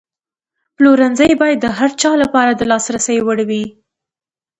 پلورنځی باید د هر چا لپاره د لاسرسي وړ وي.